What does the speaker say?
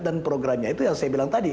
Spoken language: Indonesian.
dan programnya itu yang saya bilang tadi